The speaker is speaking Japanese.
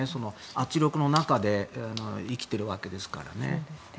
圧力の中で生きているわけですからね。